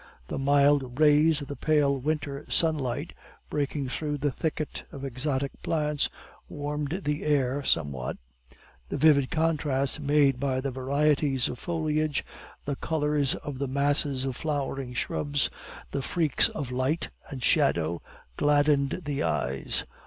The mild rays of the pale winter sunlight, breaking through the thicket of exotic plants, warmed the air somewhat. The vivid contrast made by the varieties of foliage, the colors of the masses of flowering shrubs, the freaks of light and shadow, gladdened the eyes.